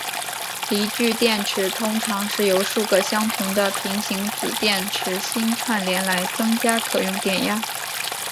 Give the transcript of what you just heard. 锂聚电池通常是由数个相同的平行子电池芯串联来增加可用电压。